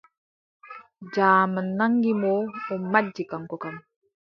Jaaman naŋgi mo, o majji kaŋko kam.